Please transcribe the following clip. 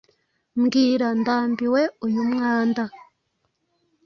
mbwira, ndambiwe uyu mwanda